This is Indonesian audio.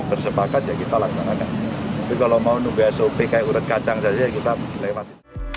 bersepakat ya kita laksanakan tapi kalau mau nunggu sop kayak urut kacang saja kita lewat